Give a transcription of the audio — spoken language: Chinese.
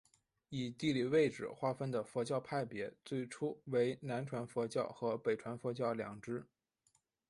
以地理位置划分的佛教派别最初为南传佛教和北传佛教两支。